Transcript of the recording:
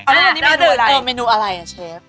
แล้ววันนี้เมนูอะไรเชฟ